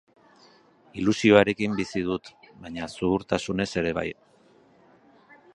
Ilusioarekin bizi dut, baina zuhurtasunez ere bai.